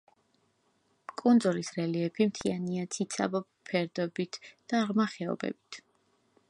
კუნძულის რელიეფი მთიანია, ციცაბო ფერდოებით და ღრმა ხეობებით.